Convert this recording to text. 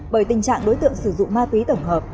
bởi tình trạng đối tượng sử dụng ma túy tổng hợp